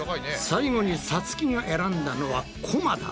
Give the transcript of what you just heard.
最後にさつきが選んだのはコマだ。